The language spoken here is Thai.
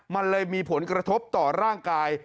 มันเลยมีผลกระทบต่อร่างกาย